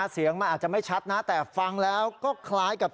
เสียงมันอาจจะไม่ชัดนะแต่ฟังแล้วก็คล้ายกับ